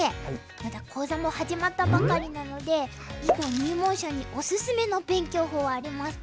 まだ講座も始まったばかりなので囲碁入門者におすすめの勉強法ありますか？